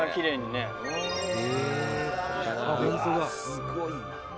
すごいな。